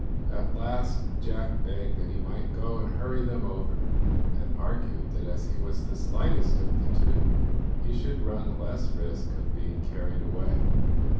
At last Jack begged that he might go and hurry them over, and argued that as he was the slightest of the two, he should run less risk of being carried away.